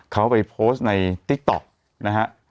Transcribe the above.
เขาไปโพสต์ในติ๊กต๊อกนะฮะ